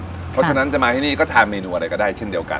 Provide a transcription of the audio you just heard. เพราะฉะนั้นจะมาที่นี่ก็ทานเมนูอะไรก็ได้เช่นเดียวกัน